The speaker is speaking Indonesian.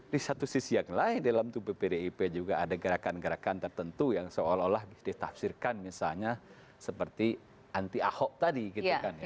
di satu sisi yang lain dalam tubuh pdip juga ada gerakan gerakan tertentu yang seolah olah ditafsirkan misalnya seperti anti ahok tadi gitu kan ya